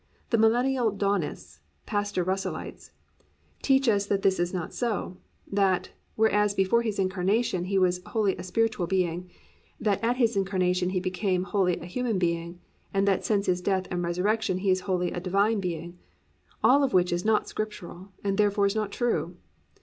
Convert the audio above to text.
The Millennial Dawnists (Pastor Russellites) teach us that this is not so; that, whereas before His incarnation He was wholly a spiritual being, that at His incarnation He became wholly a human being, and that since His death and resurrection He is wholly a divine being: all of which is not Scriptural, and therefore is not true.